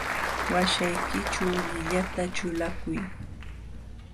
Waśhaykićhu llillata ćhulakuy.